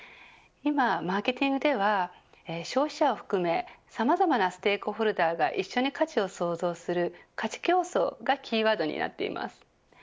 今、マーケティングでは消費者を含めさまざまなステークホルダーが一緒に価値を創造する価値共創がキーワードになっています。